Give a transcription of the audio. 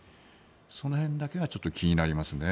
その辺だけがちょっと気になりますね。